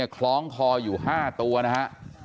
คล้องคออยู่๕ตัวนะฮะ